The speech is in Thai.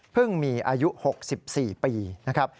มีอายุ๖๔ปีนะครับ